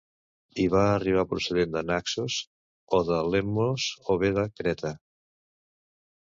Hi va arribar procedent de Naxos, o de Lemnos, o bé de Creta.